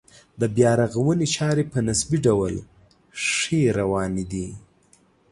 د بیا رغونې چارې په نسبي ډول ښې روانې دي.